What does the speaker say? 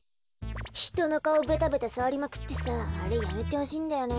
ひとのかおベタベタさわりまくってさあれやめてほしいんだよね。